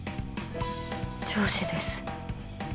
上司です。